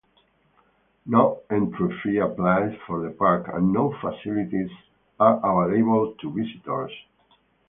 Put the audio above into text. No entry fee applies for the park and no facilities are available to visitors.